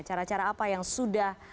cara cara apa yang sudah